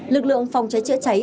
lực lượng phòng cháy chữa cháy